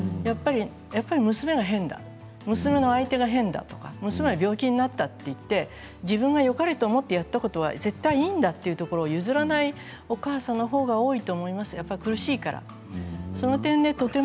やっぱり娘が変だと娘の相手が変だとか娘が病気だったと言って自分がよかれとやったことは絶対にいいんだというところを譲らないお母さんの方が多いと思います、苦しいから。